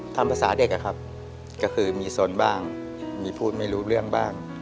ภาษาเด็กอะครับก็คือมีสนบ้างมีพูดไม่รู้เรื่องบ้าง